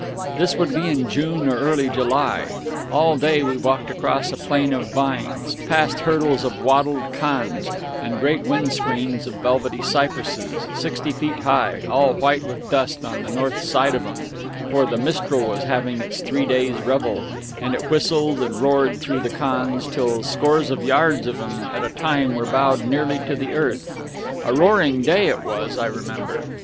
This would be in June or early in July. All day we walked across a plain of vines, past hurdles of wattled cannes and great wind screens of velvety cypresses, sixty feet high, all white with dust on the north side of 'em, for the mistral was having its three days' revel, and it whistled and roared through the cannes till scores of yards of 'em at a time were bowed nearly to the earth. A roaring day it was, I remember....